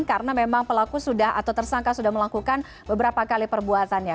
karena memang pelaku sudah atau tersangka sudah melakukan beberapa kali perbuatannya